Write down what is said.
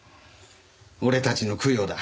俺たちの供養だ。